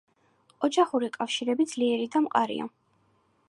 ოჯახური კავშირები ძლიერი და მყარია.